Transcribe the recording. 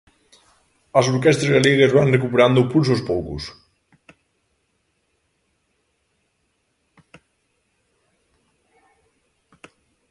As orquestras galegas van recuperando o pulso aos poucos.